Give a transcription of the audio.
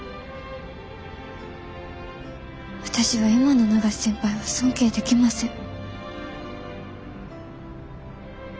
私は今の永瀬先輩は尊敬できません。